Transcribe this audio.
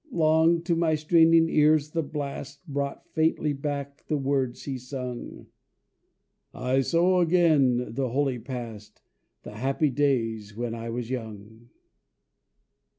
Long to my straining ears the blast Brought faintly back the words he sung: "I sow again the holy Past, The happy days when I was young."